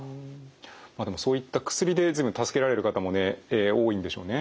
まあでもそういった薬で随分助けられる方もね多いんでしょうね。